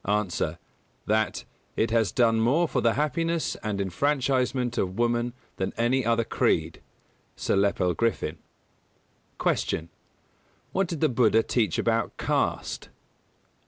_ A. That "it has done more for the happiness and enfranchisement of woman than any other creed" (Sir Lepel Griffin). 226. Q. _What did the Buddha teach about caste?